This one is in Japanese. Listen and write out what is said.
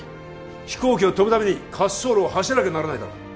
飛行機は飛ぶために滑走路を走らなきゃならないだろ